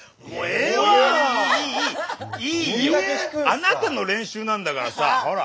あなたの練習なんだからさ。ほら！